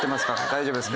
大丈夫です。